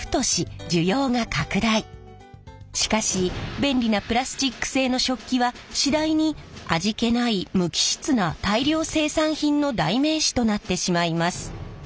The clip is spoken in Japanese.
しかし便利なプラスチック製の食器は次第に味気ない無機質な大量生産品の代名詞となってしまいます。